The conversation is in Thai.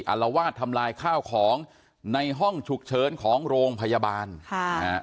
อารวาสทำลายข้าวของในห้องฉุกเฉินของโรงพยาบาลค่ะนะฮะ